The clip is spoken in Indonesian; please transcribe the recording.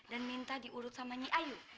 dan minta diurut sama nyi ayu